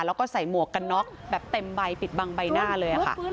แล้วก็ใส่หมวกกันน็อกแบบเต็มใบปิดบังใบหน้าเลยค่ะ